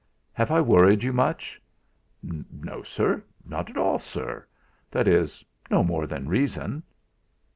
"Have I worried you much?" "No, sir; not at all, sir that is, no more than reason."